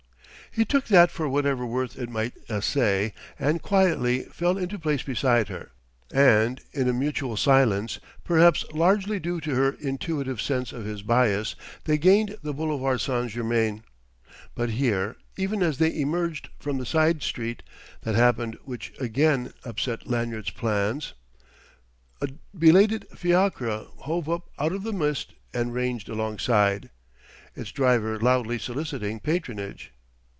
He took that for whatever worth it might assay, and quietly fell into place beside her; and in a mutual silence perhaps largely due to her intuitive sense of his bias they gained the boulevard St. Germain. But here, even as they emerged from the side street, that happened which again upset Lanyard's plans: a belated fiacre hove up out of the mist and ranged alongside, its driver loudly soliciting patronage.